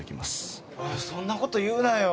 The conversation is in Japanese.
おいそんな事言うなよ。